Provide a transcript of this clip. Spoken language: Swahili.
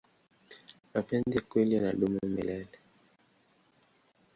mapenzi ya kweli yanadumu milele